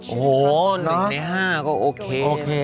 โอ้โห๑ใน๕ก็โอเค